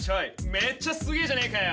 めっちゃすげえじゃねえかよ。